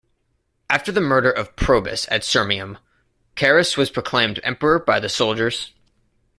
After the murder of Probus at Sirmium, Carus was proclaimed emperor by the soldiers.